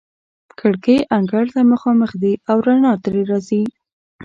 کړکۍ انګړ ته مخامخ دي او رڼا ترې راځي.